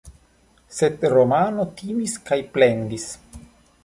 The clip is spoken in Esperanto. Sed Romano timis kaj plendis.